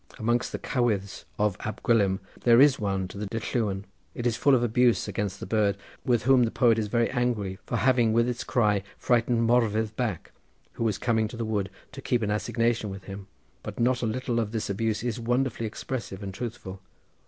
Amongst the cowydds of Ab Gwilym there is one to the dylluan. It is full of abuse against the bird, with whom the poet is very angry for having with its cry frightened Morfydd back, who was coming to the wood to keep an assignation with him, but not a little of this abuse is wonderfully expressive and truthful.